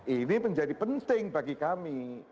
ini menjadi penting bagi kami